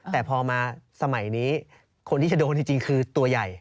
แต่พอมาสมัยนี้คนที่จะโดนจริงคือตัวใหญ่